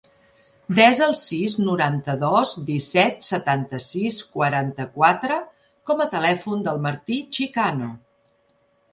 Desa el sis, noranta-dos, disset, setanta-sis, quaranta-quatre com a telèfon del Martí Chicano.